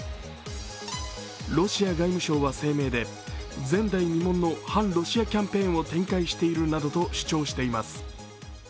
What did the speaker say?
ロシア外務省は声明で前代未聞の反ロシアキャンペーンを展開しているなどと主張しています。